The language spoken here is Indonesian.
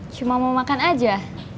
cuma mau makan aja